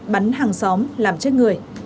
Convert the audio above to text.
bắn hàng xóm làm chết người